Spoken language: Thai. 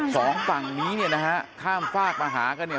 สองฝั่งนี้นะฮะข้ามฟากมาหาก็เนี่ย